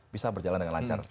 bisa berjalan dengan lancar